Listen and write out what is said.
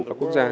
các quốc gia